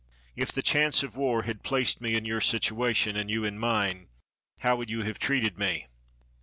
If the chance of war had placed me in your situation, and you in mine, how would you have treated me?"